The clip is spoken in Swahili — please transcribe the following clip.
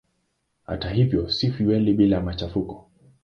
Hata hivyo si fueli bila machafuko.